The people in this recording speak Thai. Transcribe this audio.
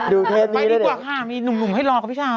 นุ่มให้ลองครับกับพี่ชาว